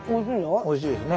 おいしいですね。